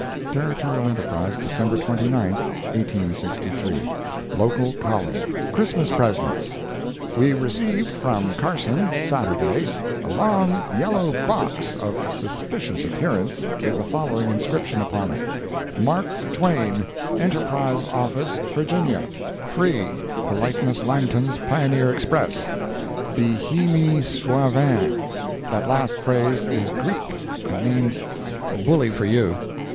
Territorial Enterprise, December 29, 1863 LOCAL COLUMN CHRISTMAS PRESENTS.—We received from Carson, Saturday, a long yellow box, of suspicious appearance, with the following inscription upon it: "Mark Twain, ENTERPRISE Office, Virginia—Free—Politeness Langton's Pioneer Express—Be hi me soi vin." That last phrase is Greek, and means "Bully for you!"